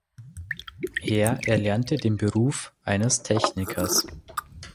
Er erlernte den Beruf eines Technikers.